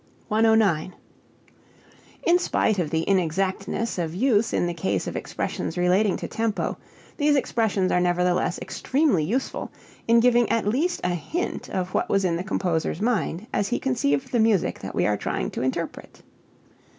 109. In spite of the inexactness of use in the case of expressions relating to tempo, these expressions are nevertheless extremely useful in giving at least a hint of what was in the composer's mind as he conceived the music that we are trying to interpret.